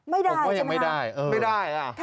ไม่ได้ใช่ไหมครับไม่ได้อะค่ะผมก็ยังไม่ได้